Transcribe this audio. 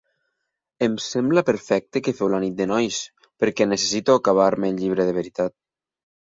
Em sembla perfecte que feu la nit de nois perquè necessito acabar-me el llibre de veritat.